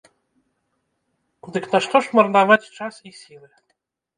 Дык нашто ж марнаваць час і сілы?